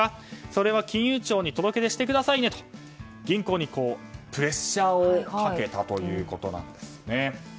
それは金融庁に届け出してくださいねと銀行にプレッシャーをかけたということなんですね。